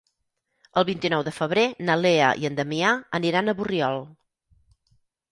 El vint-i-nou de febrer na Lea i en Damià aniran a Borriol.